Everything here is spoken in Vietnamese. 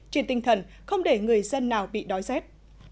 trên tinh thần không để người dân nào bị đói rét